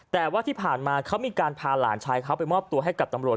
แต่ว่าที่ผ่านมาเขามีการพาหลานชายเขาไปมอบตัวให้กับตำรวจ